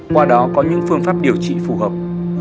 qua đó có những phương pháp điều trị phù hợp